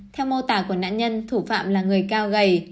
theo mô tả của nạn nhân thủ phạm là người cao gầy